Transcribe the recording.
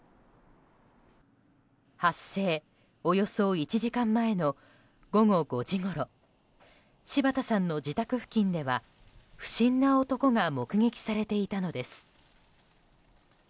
発生およそ１時間前の午後５時ごろ柴田さんの自宅付近では不審な男が目撃されていたのです。